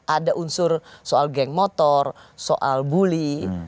ada unsur soal geng motor soal bully